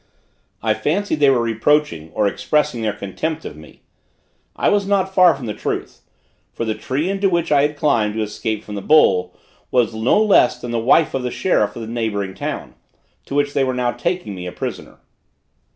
I fancied they were reproaching or expressing their contempt of me. I was not far from the truth: for the tree into which I had climbed to escape from the bull, was no less than the wife of the sheriff of the neighboring town, to which they were now taking me a prisoner.